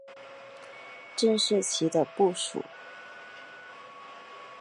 郑士琦的部属。